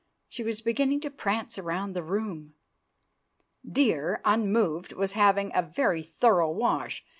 She was beginning to prance around the room. Dear, unmoved, was having a very thorough wash.